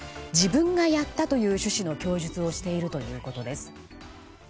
自分がやったという趣旨の供述をしているということです。